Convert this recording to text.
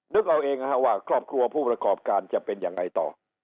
นึกเอาเองว่าครอบครัวผู้ประกอบการจะเป็นยังไงต่อ